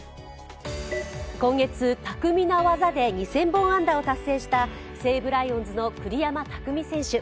今月、巧みな技で２０００本安打を達成した西武ライオンズの栗山巧選手。